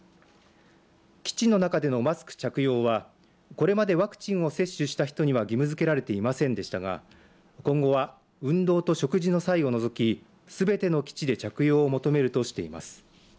基地の中でのマスク着用はこれまでワクチンを接種した人には義務づけられていませんでしたが今後は運動と食事の際を除きすべての基地で着用を求めるとしています。